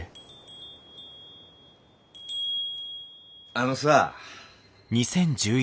あのさ。